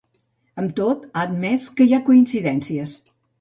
Amb tot, ha admès que hi ha “coincidències”.